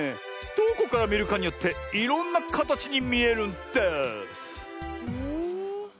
どこからみるかによっていろんなかたちにみえるんです。